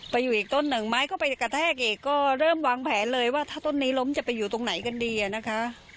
ไปอยู่อีกต้นหนึ่งไม้ก็ไปกระแทกอีกก็เริ่มวางแผนเลยว่าถ้าต้นนี้ล้มจะไปอยู่ตรงไหนกันดีอะนะคะ